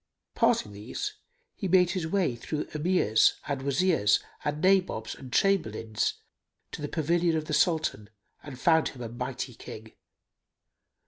Passing these, he made his way through Emirs and Wazirs and Nabobs and Chamberlains, to the pavilion of the Sultan, and found him a mighty King.